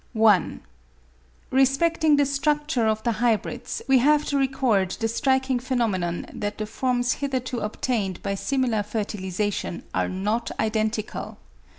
i. Respecting the structure of the hybrids, we have to record the striking phenomenon that the forms hitherto obtained by similar fertilisation are not identical.